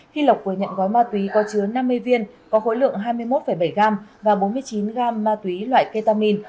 khi lộc vừa nhận gói ma túy có chứa năm mươi viên có khối lượng hai mươi một bảy gram và bốn mươi chín gam ma túy loại ketamin